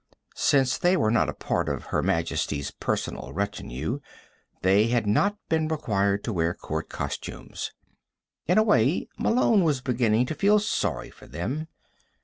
Since they were not a part of Her Majesty's personal retinue, they had not been required to wear court costumes. In a way, Malone was beginning to feel sorry for them.